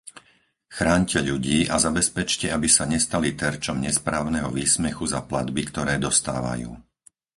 Chráňte ľudí a zabezpečte, aby sa nestali terčom nesprávneho výsmechu za platby, ktoré dostávajú.